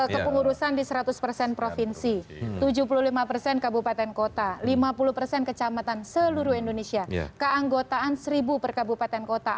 karena peserentak ya